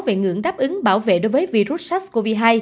về ngưỡng đáp ứng bảo vệ đối với virus sars cov hai